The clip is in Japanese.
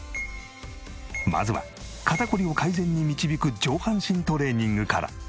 まずは肩こりを改善に導く上半身トレーニングから。